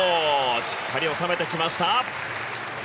しっかり収めてきました。